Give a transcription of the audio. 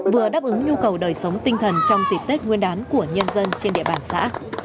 vừa đáp ứng nhu cầu đời sống tinh thần trong dịp tết nguyên đán của nhân dân trên địa bàn xã